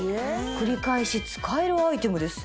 繰り返し使えるアイテムです。